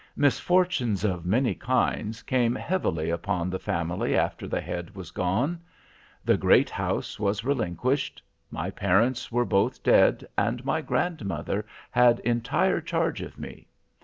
"Misfortunes of many kinds came heavily upon the family after the head was gone. The great house was relinquished. My parents were both dead, and my grandmother had entire charge of me.